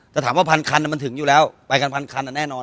แต่ถามว่าพันคันมันถึงอยู่แล้วไปกันพันคันแน่นอน